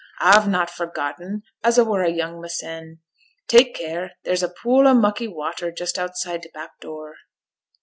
'A've not forgotten as a were young mysen. Tak' care; there's a pool o' mucky watter just outside t' back door.'